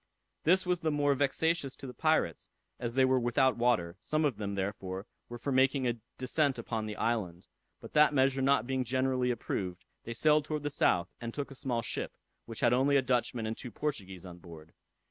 This was the more vexatious to the pirates, as they were without water; some of them, therefore, were for making a descent upon the island, but that measure not being generally approved, they sailed towards the south, and took a small ship, which had only a Dutchman and two Portuguese on board.